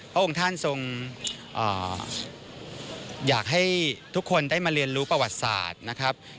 พระองค์ท่านทรงอยากให้ทุกคนได้มาเรียนรู้ประวัติศาสตร์นะครับ